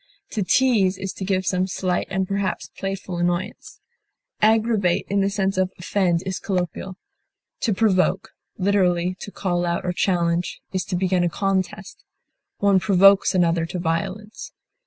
To tease is to give some slight and perhaps playful annoyance. Aggravate in the sense of offend is colloquial. To provoke, literally to call out or challenge, is to begin a contest; one provokes another to violence.